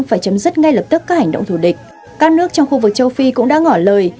và chấm dứt ngay lập tức các hành động thù địch các nước trong khu vực châu phi cũng đã ngỏ lời